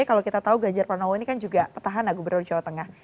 kalau kita tahu ganjar pranowo ini kan juga petahana gubernur jawa tengah